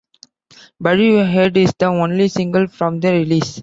"Bury Your Head" is the only single from the release.